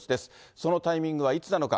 そのタイミングはいつなのか。